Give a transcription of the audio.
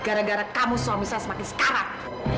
gara gara kamu suami saya semakin separak